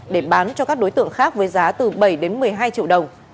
để bán cho các đối tượng khác với giá từ bảy đến một mươi hai triệu đồng